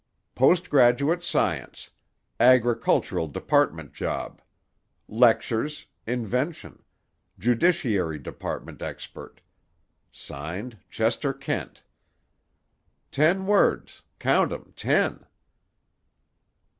'Postgraduate science. Agricultural Department job. Lectures. Invention. Judiciary Department expert. Signed, Chester Kent.' Ten words—count them—ten."